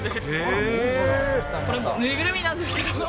これも縫いぐるみなんですけ